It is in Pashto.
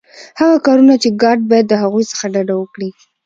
هغه کارونه چي ګارډ باید د هغوی څخه ډډه وکړي.